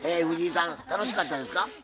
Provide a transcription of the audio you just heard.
藤井さん楽しかったですか？